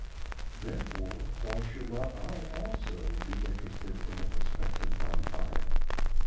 Therefore, why should not I also be interested in the prospective bonfire?